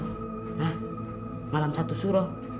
hah malam satu suro